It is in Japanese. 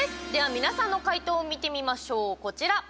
皆さんの解答を見てみましょう。